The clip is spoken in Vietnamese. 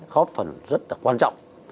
góp phần rất là quan trọng